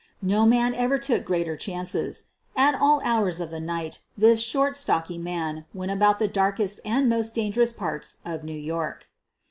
No man ever took greater chances. At all hours of the night this short, stocky man went about the darkest and most dangerous parts of New York.